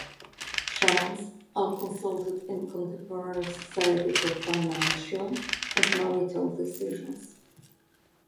Shamans are consulted in contemporary society for financial and marital decisions.